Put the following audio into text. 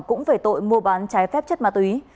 cũng về tội mua bán trái phép chất ma túy